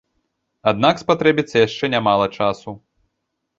Аднак спатрэбіцца яшчэ нямала часу.